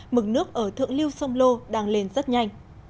mực nước ở thượng lưu sông lô đang lên rất nhanh